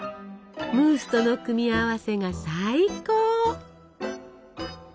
ムースとの組み合わせが最高！